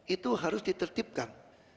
itu harus ditertibkan